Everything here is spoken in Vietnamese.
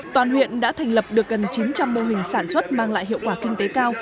toàn huyện đã thành lập được gần chín trăm linh mô hình sản xuất mang lại hiệu quả kinh tế cao